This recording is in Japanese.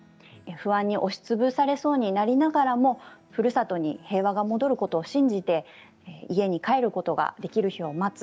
不安に押しつぶされそうになりながらもふるさとに平和が戻ることを信じて家に帰ることができる日を待つ。